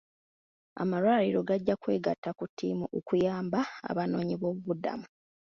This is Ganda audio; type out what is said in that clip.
Amalwaliro gajja kwegatta ku ttiimu okuyamba abanoonyiboobubudamu.